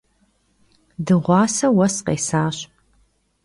Dığuase vues khesaş.